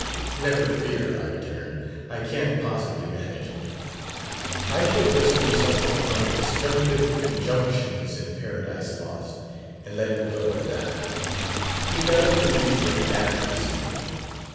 'Never fear!' I returned; 'I can't possibly manage it. I shall just do something on "The Disjunctive Conjunctions in 'Paradise Lost,'" and let it go at that!' "He got up to reach for the ash receiver.